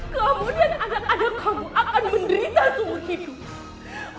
kemudian anak anak kamu akan menderita seumur hidup